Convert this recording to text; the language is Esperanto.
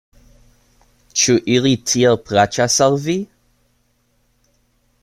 Ĉu ili tiel plaĉas al vi?